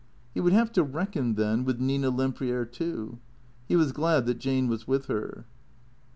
He would have to reckon, then, with Nina Lempriere, too. He was glad that Jane was with her.